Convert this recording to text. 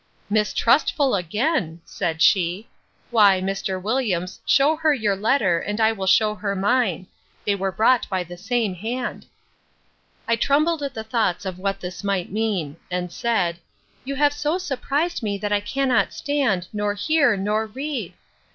—Mistrustful again! said she: Why, Mr. Williams, shew her your letter, and I will shew her mine: they were brought by the same hand. I trembled at the thoughts of what this might mean; and said, You have so surprised me, that I cannot stand, nor hear, nor read!